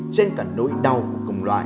trên cả nỗi đau của công loại